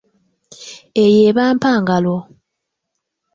Eyo eba mpagalo.